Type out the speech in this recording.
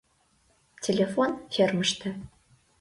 — Телефон — фермыште.